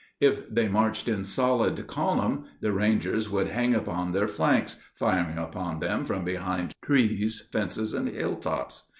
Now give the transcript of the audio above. If they marched in solid column, the Rangers would hang upon their flanks, firing upon them from behind trees, fences, and hilltops.